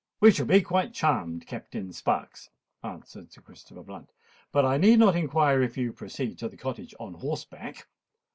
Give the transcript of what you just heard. "We shall be quite charmed, Captain Sparks," answered Sir Christopher Blunt. "I need not inquire if you proceed to the Cottage on horseback!"